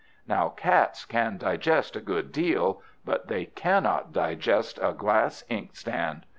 Now cats can digest a good deal, but they can't digest a glass inkstand.